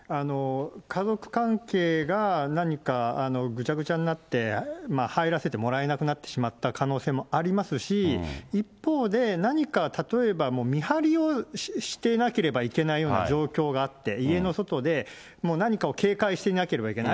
家族関係が何かぐちゃぐちゃになって、入らせてもらえなくなってしまった可能性もありますし、一方で、何か例えば、見張りをしてなければいけないような状況があって、家の外で、もう何かを警戒しなければいけない。